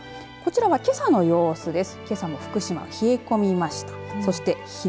こちらは、けさの様子です。